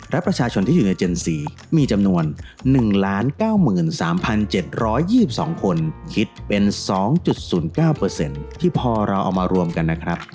และประชาชนที่อยู่ในเจนสี่มีจำนวนหนึ่งล้านเก้าหมื่นสามพันเจ็ดร้อยยี่สิบสองคนคิดเป็นสองจุดศูนย์เก้าเปอร์เซ็นต์ที่พอเราเอามารวมกันนะครับ